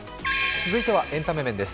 続いてはエンタメ面です。